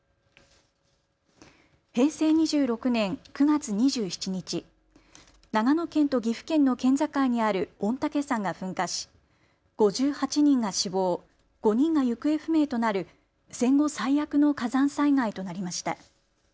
平成２６年９月２７日、長野県と岐阜県の県境にある御嶽山が噴火し５８人が死亡、５人が行方不明となる戦後最悪の火山災害となりました。